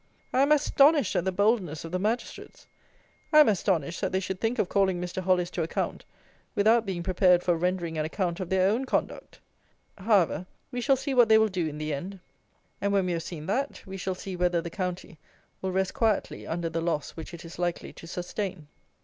I am astonished at the boldness of the Magistrates. I am astonished that they should think of calling Mr. Hollis to account without being prepared for rendering an account of their own conduct. However, we shall see what they will do in the end. And when we have seen that, we shall see whether the county will rest quietly under the loss which it is likely to sustain.